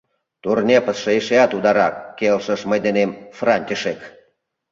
— Турнепсше эшеат ударак, — келшыш мый денем Франтишек.